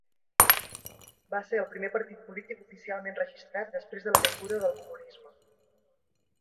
Va ser el primer partit polític oficialment registrat després de la caiguda del comunisme.